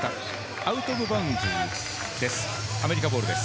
アウトオブバウンズです。